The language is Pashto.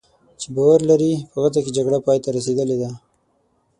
چې باور لري "په غزه کې جګړه پایته رسېدلې ده"